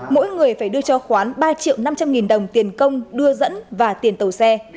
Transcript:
mỗi người phải đưa cho khoán ba triệu năm trăm linh nghìn đồng tiền công đưa dẫn và tiền tàu xe